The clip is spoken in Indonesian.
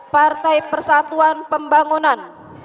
partai persatuan pembangunan